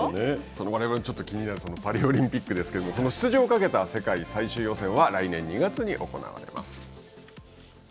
われわれも気になるパリオリンピックですけれども、その出場をかけた世界最終予選は、来年２月に行われます。